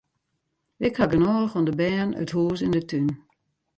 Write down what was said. Ik haw genôch oan de bern, it hûs en de tún.